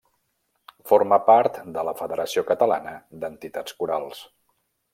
Forma part de la Federació Catalana d'Entitats Corals.